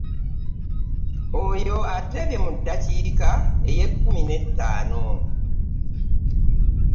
Ono ateebye mu ddakiika ey'ekkumi n'ettaano